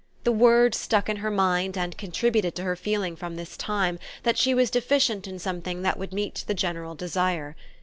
The word stuck in her mind and contributed to her feeling from this time that she was deficient in something that would meet the general desire.